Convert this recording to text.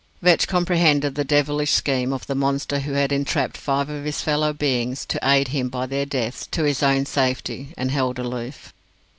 Vetch comprehended the devilish scheme of the monster who had entrapped five of his fellow beings to aid him by their deaths to his own safety, and held aloof.